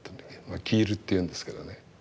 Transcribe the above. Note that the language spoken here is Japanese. キールっていうんですけどね。